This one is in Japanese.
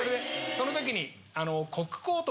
その時に。